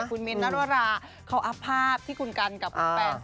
เป็นกำมุงคอมเม้นต์